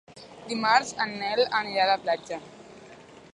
Dimarts en Nel anirà a la platja.